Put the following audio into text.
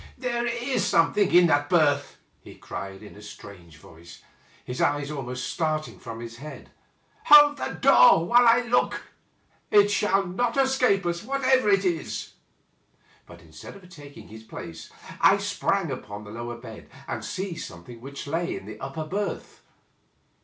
" There is something in that berth 1 " he cried, in a Btrange voice, his eyes almost starting from his head. "Hold the door, while I look — ^it shall not escape us, whatever it is!" But instead of taking his place, I sprang upon the lower bed, and seized something which lay in the upper berth.